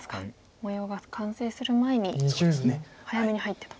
模様が完成する前に早めに入ってと。